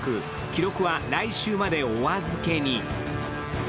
記録は来週までお預けに。